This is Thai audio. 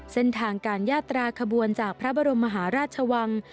เส้นทางการยาตราขบวนจากพระบรมมหาราชวัง